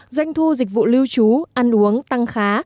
doanh thu dịch vụ lưu trú ăn uống tăng khá